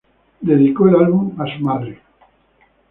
Dedicó el álbum a su madre.